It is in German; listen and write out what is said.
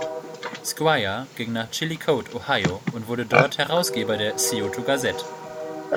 Squier ging nach Chillicothe, Ohio und wurde dort Herausgeber der "Scioto Gazette".